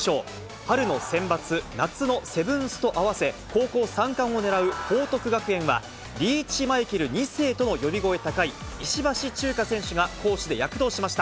春の選抜、夏のセブンスと合わせ、高校３冠をねらう報徳学園は、リーチマイケル２世との呼び声高い、石橋チューカ選手が攻守で躍動しました。